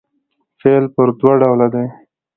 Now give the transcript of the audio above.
فعل پر دوه ډوله دئ.